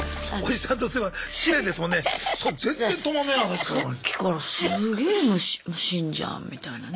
さっきからすんげえむしるじゃんみたいなね。